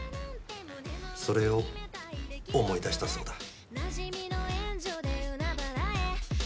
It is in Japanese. それを思い出したそうだ。